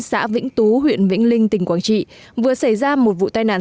xã vĩnh tú huyện vĩnh linh tỉnh quảng trị vừa xảy ra một vụ tai nạn